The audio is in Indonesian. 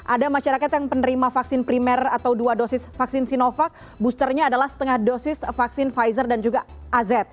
ada masyarakat yang penerima vaksin primer atau dua dosis vaksin sinovac boosternya adalah setengah dosis vaksin pfizer dan juga az